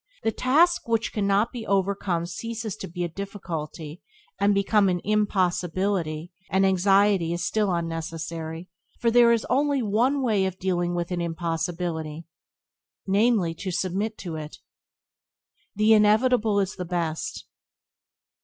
The task which cannot be overcome ceases to be a difficulty, and becomes an impossibility; and anxiety is still unnecessary, for there is only one way of dealing with an impossibility — namely, to submit to it. The inevitable is the best.